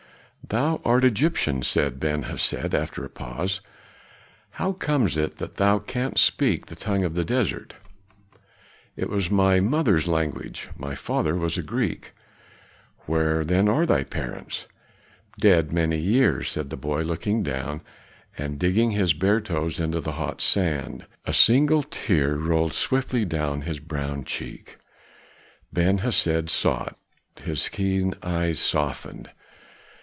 "Thou art Egyptian," said Ben Hesed after a pause. "How comes it that thou canst speak the tongue of the desert?" "It was my mother's language; my father was a Greek." "Where then are thy parents?" "Dead, many years dead," said the boy looking down, and digging his bare toes into the hot sand. A single tear rolled swiftly down his brown cheek. Ben Hesed saw it, his keen eyes softened.